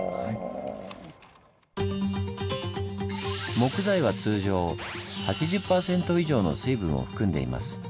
木材は通常８０％以上の水分を含んでいます。